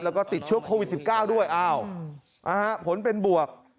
แล้วก็ติดเชื้อโควิด๑๙ด้วยอ้าวผลเป็นบวก